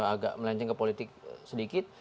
agak melenceng ke politik sedikit